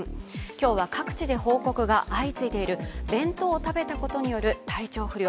今日は各地で報告が相次いでいる弁当を食べたことによる体調不良。